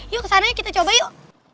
yuk kesananya kita coba yuk